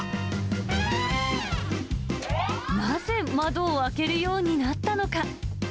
なぜ、窓を開けるようになったのか。